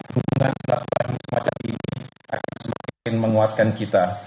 hubungan selakuan semacam ini akan semakin menguatkan kita